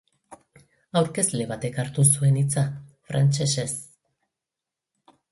Aurkezle batek hartu zuen hitza, frantsesez.